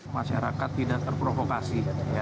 masyarakat tidak terprovokasi